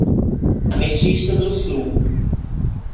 Ametista do Sul